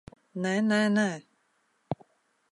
Nē, nē, nē!